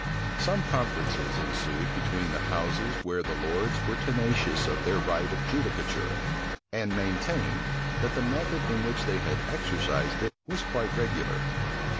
Some conferences ensued between the houses where the lords were tenacious of their right of judicature, and maintained, that the method in which they had exercised it was quite regular.